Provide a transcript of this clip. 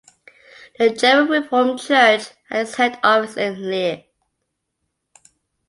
The German Reformed Church has its head office in Leer.